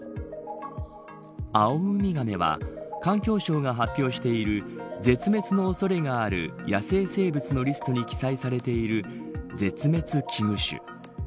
アオウミガメは環境省が発表している絶滅の恐れがある野生生物のリストに記載されている絶滅危惧種。